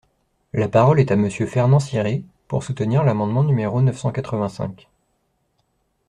La parole est à Monsieur Fernand Siré, pour soutenir l’amendement numéro neuf cent quatre-vingt-cinq.